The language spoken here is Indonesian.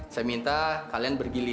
saya minta kalian bergilir